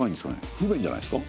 不便じゃないですか。